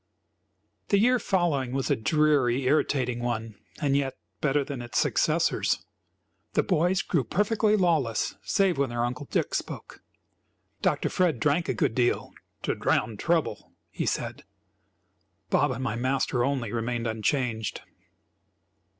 The year following was a dreary irritating one, and yet better than its successors. The boys grew perfectly lawless, save when their uncle Dick spoke. Dr. Fred drank a good deal "to drown trouble," he said. Bob and my master only remained unchanged.